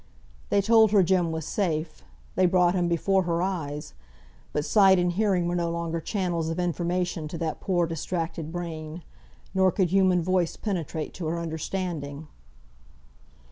They told her Jem was safe, they brought him before her eyes; but sight and hearing were no longer channels of information to that poor distracted brain, nor could human voice penetrate to her understanding.